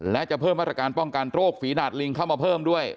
และจะเพิ่มมาตรการป้องกันโรคฝีดาดลิงเข้ามาเพิ่มด้วย